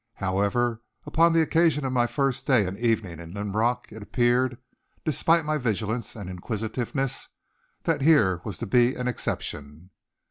However, upon the occasion of my first day and evening in Linrock it appeared, despite my vigilance and inquisitiveness, that here was to be an exception.